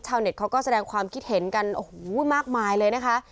เน็ตเขาก็แสดงความคิดเห็นกันโอ้โหมากมายเลยนะคะ